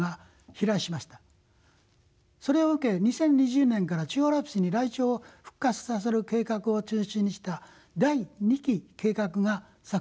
それを受け２０２０年から中央アルプスにライチョウを復活させる計画を中心にした第二期計画が作成されました。